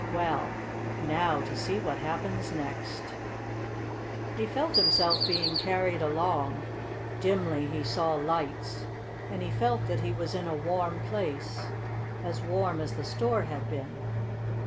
Well, now to see what happens next!" He felt himself being carried along. Dimly he saw lights, and he felt that he was in a warm place as warm as the store had been.